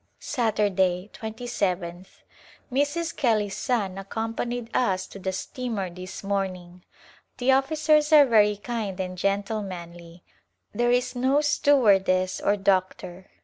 A Glimpse of India Saturday^ 2yth. Mrs. Kelly's son accompanied us to the steamer this morning. The officers are very kind and gentle manly ; there is no stewardess or doctor.